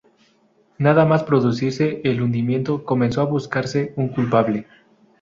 Nada más producirse el hundimiento, comenzó a buscarse un culpable.